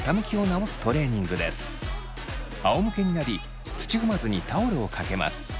あおむけになり土踏まずにタオルをかけます。